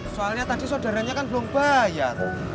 soalnya tadi saudaranya kan belum bayar